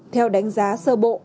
theo đánh giá sơ bộ